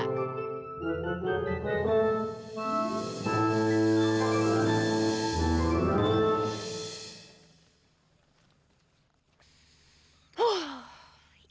ya ya gak